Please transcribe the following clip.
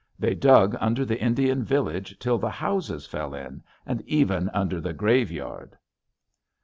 They dug under the Indian village till the houses fell in, and even under the graveyard."